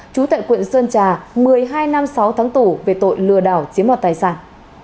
chú tại quận sơn trà một mươi hai năm sáu tháng tủ về tội lừa đảo chiếm hoạt tài sản